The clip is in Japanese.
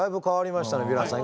ヴィランさん